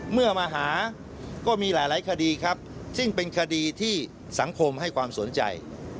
เมื่อมาหาก็มีหลายคดีครับซึ่งเป็นคดีที่สังคมให้ความสนใจ